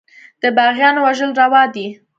د باغيانو وژل روا دي.